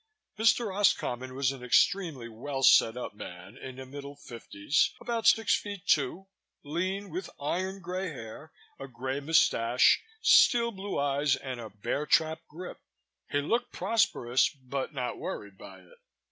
Mr. Roscommon was an extremely well set up man in the middle fifties, about six feet two, lean, with iron grey hair, a grey moustache, steel blue eyes and a bear trap grip. He looked prosperous but not worried by it.